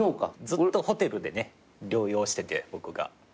ずっとホテルで療養してて僕が。